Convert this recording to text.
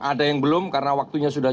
ada yang belum karena waktunya sudah